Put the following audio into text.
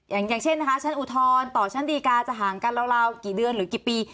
อย่างเช่นนะคะชั้นอุทธรณ์ต่อชั้นดีกาจะห่างกันราวกี่เดือนหรือกี่ปี